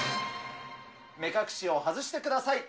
目隠しを外してください。